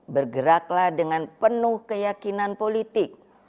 bergeraklah dengan penuh keyakinan politik